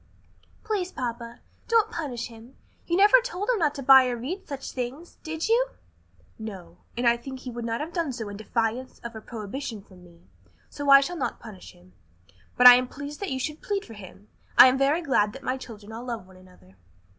"Please, papa, don't punish him. You never told him not to buy or read such things, did you?" "No; and I think he would not have done so in defiance of a prohibition from me. So I shall not punish him. But I am pleased that you should plead for him. I am very glad that my children all love one another."